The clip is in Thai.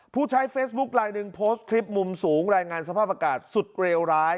ผู้ใช้เฟซบุ๊คไลน์หนึ่งโพสต์คลิปมุมสูงรายงานสภาพอากาศสุดเลวร้าย